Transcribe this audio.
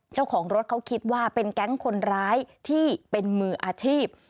เจ้าของรถเขาคิดว่าเป็นแก๊งคนร้ายที่เป็นมืออาชีพ